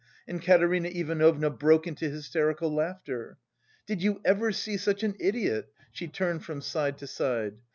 and Katerina Ivanovna broke into hysterical laughter. "Did you ever see such an idiot?" she turned from side to side.